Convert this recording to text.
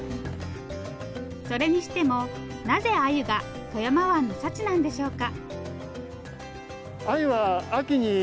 それにしてもなぜアユが富山湾の幸なんでしょうか？